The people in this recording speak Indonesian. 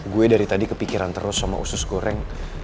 gue dari tadi kepikiran terus sama usus goreng